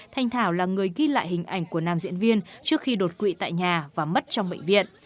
thanh thảo là người ghi lại hình ảnh của nam diễn viên trước khi đột quỵ tại nhà và mất trong bệnh viện